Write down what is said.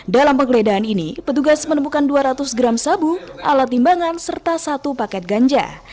dalam penggeledahan ini petugas menemukan dua ratus gram sabu alat timbangan serta satu paket ganja